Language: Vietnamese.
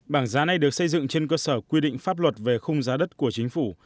bảng giá này được xây dựng trên cơ sở quy định pháp luật về khung giá đất của chính phủ